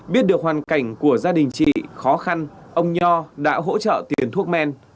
biết được hoàn cảnh của gia đình chị khó khăn ông nho đã hỗ trợ tiền thuốc men